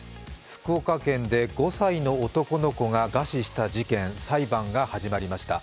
福岡県で５歳の男の子が餓死した事件、裁判が始まりました